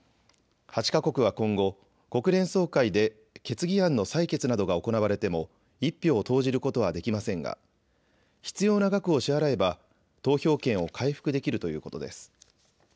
８か国は今後、国連総会で決議案の採決などが行われても１票を投じることはできませんが必要な額を支払えば投票権を回復できるということです。